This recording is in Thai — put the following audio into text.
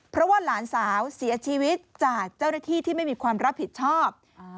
เพราะว่าหลานสาวเสียชีวิตจากเจ้าหน้าที่ที่ไม่มีความรับผิดชอบ